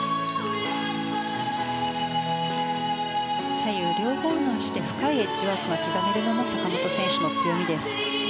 左右両方の足で深いエッジワークが刻めるのも坂本選手の強みです。